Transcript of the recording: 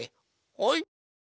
はい。